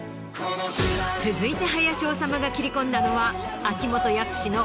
続いて林修が切り込んだのは秋元康の。